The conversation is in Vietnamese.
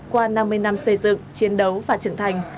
qua năm mươi năm xây dựng chiến đấu và trưởng thành